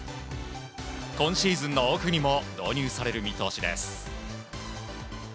今シーズンのオフにも導入される見通しです。